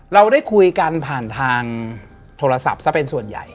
เราได้คุยกันผ่านทางโทรศัพท์ซะเป็นส่วนใหญ่